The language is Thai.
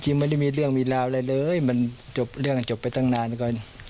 ไม่ได้มีเรื่องมีราวอะไรเลยมันจบเรื่องจบไปตั้งนานก่อน